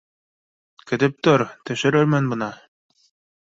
— Көтөп тор, төшөрөрмөн бына